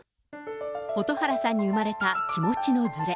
蛍原さんに生まれた気持ちのずれ。